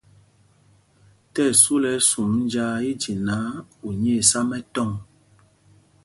Tí ɛsu lɛ́ ɛsum njāā i je náǎ, u nyɛ̄ɛ̄ sá mɛtɔŋ.